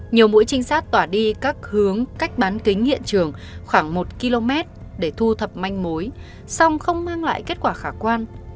nhiều mũi trinh sát tỏa đi các hướng cách bán kính hiện trường khoảng một km để thu thập manh mối song không mang lại kết quả khả quan